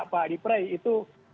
pak adi prey itu